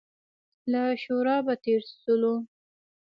له شورابه تېر شولو.